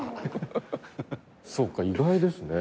そっか意外ですね。